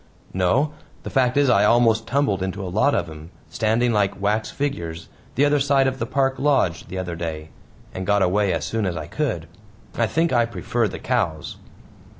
"No. The fact is I almost tumbled into a lot of 'em standing like wax figures the other side of the park lodge, the other day and got away as soon as I could. I think I prefer the cows."